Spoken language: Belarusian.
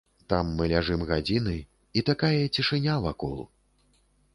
Там мы ляжым гадзіны, і такая цішыня вакол!